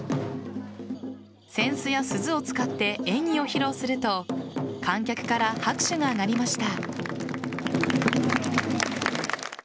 扇子や鈴を使って演技を披露すると観客から拍手が上がりました。